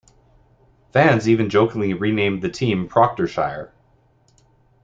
Fans even jokingly renamed the team Proctershire.